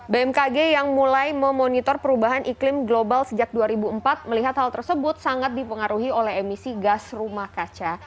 bmkg yang mulai memonitor perubahan iklim global sejak dua ribu empat melihat hal tersebut sangat dipengaruhi oleh emisi gas rumah kaca